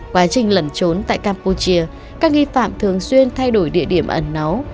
quá trình lẩn trốn tại capuchia các nghi phạm thường xuyên thay đổi địa điểm ẩn nấu